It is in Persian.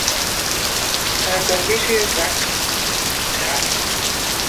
پردازش وصل - خط